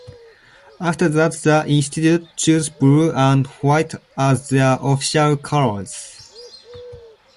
After that the institute chose blue and white as their official colors.